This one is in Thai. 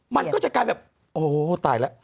มันก็จะกลายแบบโอ้ตายแล้ว